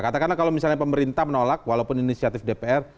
katakanlah kalau misalnya pemerintah menolak walaupun inisiatif dpr